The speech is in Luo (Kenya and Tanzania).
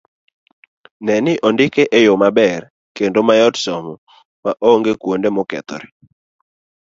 Ne ni ondike e yo maber kendo mayot somo ma onge kuonde mokethore